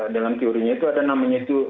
dalam teorinya itu ada namanya itu